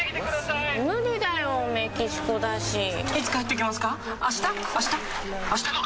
いつ帰ってきますか？